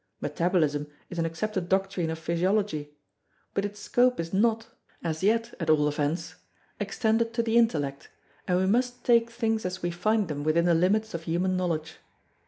Metabolism is an accepted doctrine of physiology; but its scope is not as yet at all events extended to the intellect, and we must take things as we find them within the limits of human knowledge.